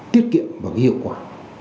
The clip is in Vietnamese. tiết kiệm và hiệu quả